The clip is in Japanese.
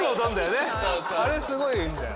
あれすごいいいんだよ。